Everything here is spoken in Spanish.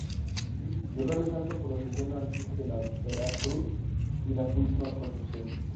El Jueves Santo procesiona el Cristo de la Vera-Cruz y la Purísima Concepción.